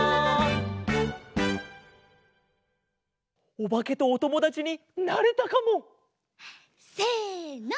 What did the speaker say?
おばけとおともだちになれたかも！せの！